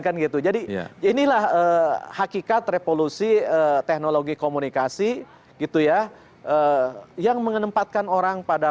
kan gitu jadi inilah hakikat revolusi teknologi komunikasi gitu ya yang menempatkan orang pada